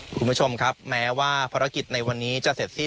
คุณผู้ชมครับแม้ว่าภารกิจในวันนี้จะเสร็จสิ้น